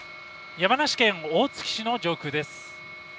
山梨県大月市の上空です。